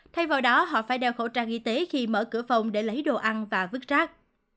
thay vào đó họ phải đeo khẩu trang y tế khi mở cửa phòng để lấy đồ ăn và vứt rác